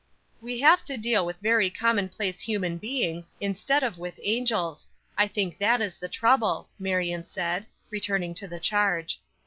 "We have to deal with very common place human beings, instead of with angels. I think that is the trouble," Marion said, returning to the charge.